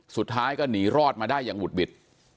สุดท้ายก็หนีรอดมาได้อย่างหุดหวิด